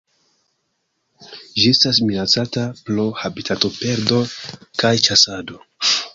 Ĝi estas minacata pro habitatoperdo kaj ĉasado.